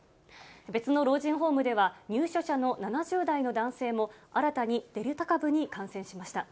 別の老人ホームでは、入所者の７０代の男性も、新たにデルタ株に感染しました。